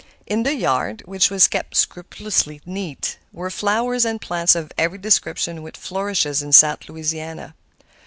In the yard, which was kept scrupulously neat, were flowers and plants of every description which flourishes in South Louisiana.